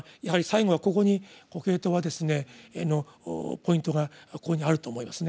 やはり最後はここにコヘレトのポイントがここにあると思いますね。